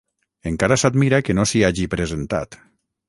Encara s'admira que no s'hi hagi presentat.